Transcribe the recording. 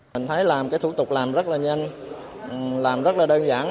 mình thấy làm cái thủ tục làm rất là nhanh làm rất là đơn giản